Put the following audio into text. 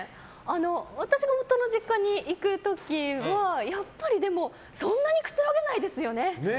私が夫の実家に行く時はやっぱりそんなにくつろげないですよね。